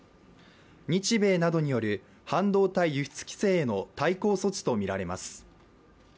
日米などによる半導体輸出規制への対抗措置とみられます。